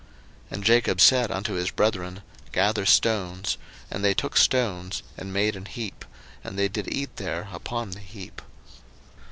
01:031:046 And Jacob said unto his brethren, Gather stones; and they took stones, and made an heap: and they did eat there upon the heap.